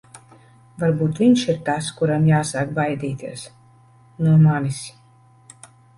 Varbūt viņš ir tas, kuram jāsāk baidīties... no manis.